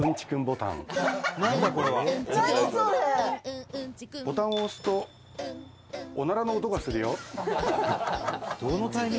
「“ボタンをおすとオナラの音がするよ！”」